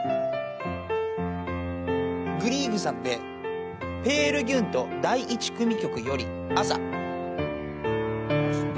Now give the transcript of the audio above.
グリーグさんで、ペール・ギュント第１組曲より朝。